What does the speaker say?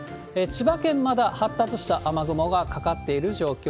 千葉県、まだ発達した雨雲がかかっている状況。